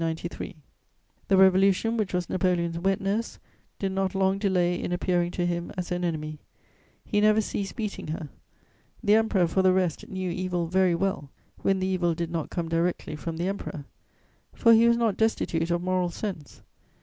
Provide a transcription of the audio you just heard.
The Revolution, which was Napoleon's wet nurse, did not long delay in appearing to him as an enemy; he never ceased beating her. The Emperor, for the rest, knew evil very well, when the evil did not come directly from the Emperor; for he was not destitute of moral sense.